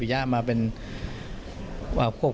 มีความเป็นใจแล้วไง